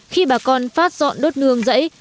khi bà con phát dọn đốt nương rẫy